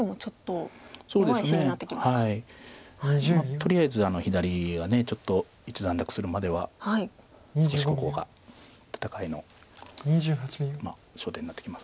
とりあえず左がちょっと一段落するまでは少しここが戦いの焦点になってきます。